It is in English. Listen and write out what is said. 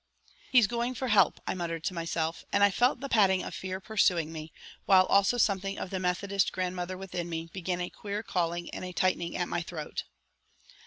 "He's going for help," I muttered to myself, and I felt the padding of fear pursuing me, while also something of the Methodist grandmother within me began a queer calling and a tightening at my throat.